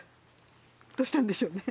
どうしたんでしょうね。